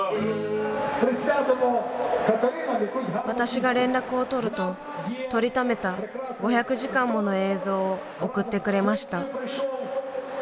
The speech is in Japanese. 私が連絡をとると撮りためた５００時間もの映像を送ってくれました。